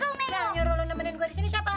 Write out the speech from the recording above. enggak nyuruh lo nemenin gue di sini siapa